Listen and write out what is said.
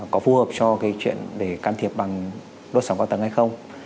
có phù hợp cho cái chuyện để can thiệp bằng đốt sòng cao tầng hay không